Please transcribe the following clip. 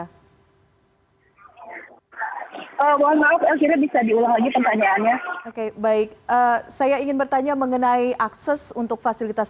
walaupun akhirnya bisa diulangi pertanyaannya baik saya ingin bertanya mengenai akses untuk fasilitas